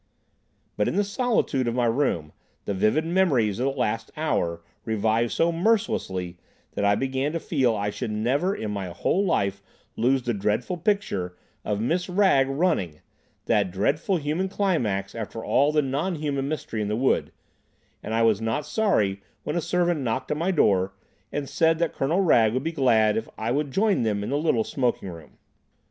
But in the solitude of my room the vivid memories of the last hour revived so mercilessly that I began to feel I should never in my whole life lose the dreadful picture of Miss Wragge running—that dreadful human climax after all the non human mystery in the wood—and I was not sorry when a servant knocked at my door and said that Colonel Wragge would be glad if I would join them in the little smoking room.